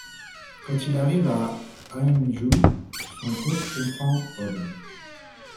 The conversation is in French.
Quand il arrive à Haengju, son groupe comprend hommes.